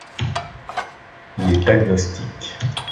Il est agnostique.